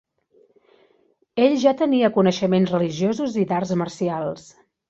Ell ja tenia coneixements religiosos i d"arts marcials.